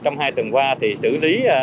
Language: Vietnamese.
trong hai tuần qua thì xử lý